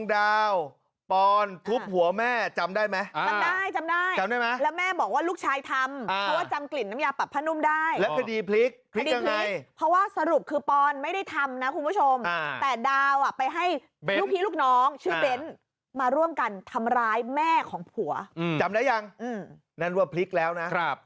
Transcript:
คุณผู้ชมเมื่อคืน